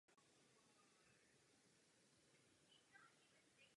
Abcházie ji nedokázala dostat pod svoji kontrolu.